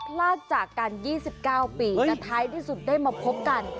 พลาดจากกัน๒๙ปีแต่ท้ายที่สุดได้มาพบกัน